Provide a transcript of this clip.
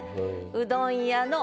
「うどん屋の」